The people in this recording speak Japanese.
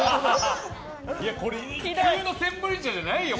これ普通のセンブリ茶じゃないよ。